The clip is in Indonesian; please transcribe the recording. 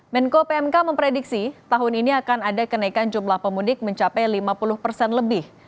menko pmk memprediksi tahun ini akan ada kenaikan jumlah pemudik mencapai lima puluh persen lebih